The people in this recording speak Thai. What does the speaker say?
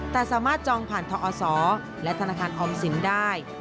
แต่สามารถจองผ่านทอศและธนาคารออมสินได้